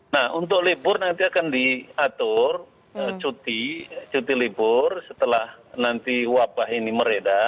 nah untuk libur nanti akan diatur cuti cuti libur setelah nanti wabah ini meredah